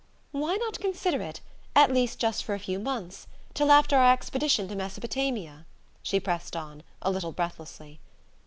"Why not consider it at least just for a few months? Till after our expedition to Mesopotamia?" she pressed on, a little breathlessly.